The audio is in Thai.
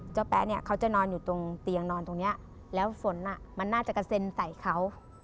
แป๊ะเนี่ยเขาจะนอนอยู่ตรงเตียงนอนตรงเนี้ยแล้วฝนอ่ะมันน่าจะกระเซ็นใส่เขา